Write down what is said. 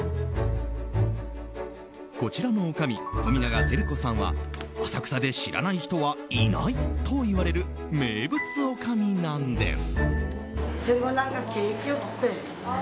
こちらのおかみ・冨永照子さんは浅草で知らない人はいないといわれる名物おかみなんです。